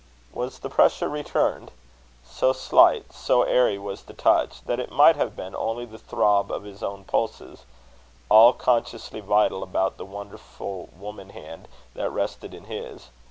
Was the pressure returned? So slight, so airy was the touch, that it might have been only the throb of his own pulses, all consciously vital about the wonderful woman hand that rested in his.